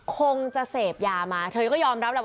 คงจะเสพยามาเธอก็ยอมรับแหละ